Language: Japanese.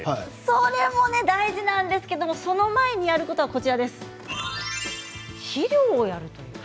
それも大事なんですけどその前にやることは肥料をやると。